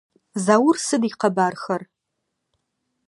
Заур сыд ыкъэбархэр?